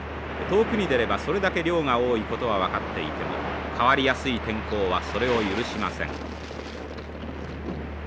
遠くに出ればそれだけ漁が多いことは分かっていても変わりやすい天候はそれを許しません。